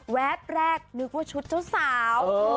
แป๊บแรกนึกว่าชุดเจ้าสาว